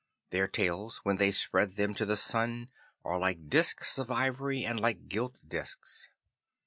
Their tails when they spread them to the sun are like disks of ivory and like gilt disks.